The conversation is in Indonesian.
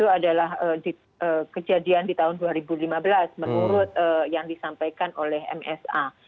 itu adalah kejadian di tahun dua ribu lima belas menurut yang disampaikan oleh msa